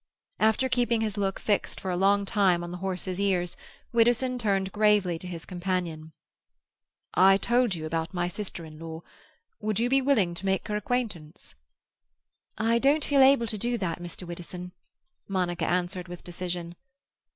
After keeping his look fixed for a long time on the horse's ears, Widdowson turned gravely to his companion. "I told you about my sister in law. Would you be willing to make her acquaintance?" "I don't feel able to do that, Mr. Widdowson," Monica answered with decision.